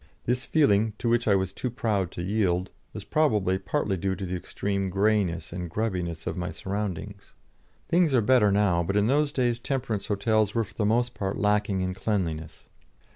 This feeling, to which I was too proud to yield, was probably partly due to the extreme greyness and grubbiness of my surroundings. Things are better now, but in those days temperance hotels were for the most part lacking in cleanliness.